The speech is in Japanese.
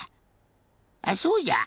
あっそうじゃ。